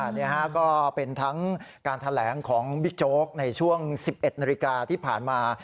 นี่ฮะก็เป็นทั้งการแถลงของบิ๊กโจ๊กในช่วง๑๑นาฬิกาที่ผ่านมา